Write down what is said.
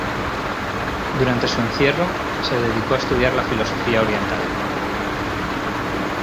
Durante su encierro, se dedicó a estudiar la filosofía oriental.